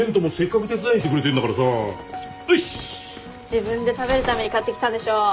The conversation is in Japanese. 自分で食べるために買ってきたんでしょ。